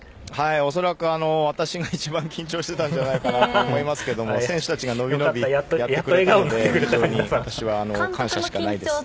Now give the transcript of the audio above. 恐らく、私が一番緊張していたんじゃないかなと思いますが選手たちが伸び伸びとやってくれたので非常に私は感謝しかないです。